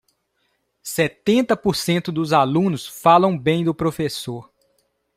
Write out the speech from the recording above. Setenta por cento dos alunos falam bem do professor.